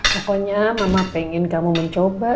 pokoknya mama pengen kamu mencoba